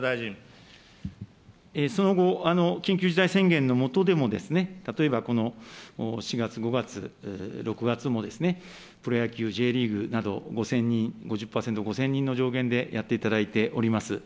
その後、緊急事態宣言の下でも、例えばこの４月、５月、６月も、プロ野球、Ｊリーグなど、５０００人、５０％、５０００人の上限でやっていただいております。